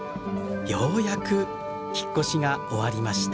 ようやく引っ越しが終わりました。